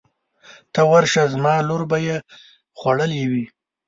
ته ورشه زما لور به یې خوړلې وي.